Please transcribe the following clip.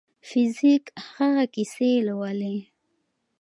فزیک هغه کیسې لولي.